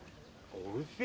おいしい！